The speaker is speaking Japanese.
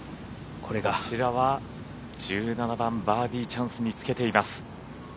こちらは１７番、バーディーチャンスにつけています。